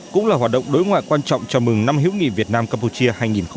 cũng là hoạt động đối ngoại quan trọng chào mừng năm hữu nghị việt nam campuchia hai nghìn một mươi chín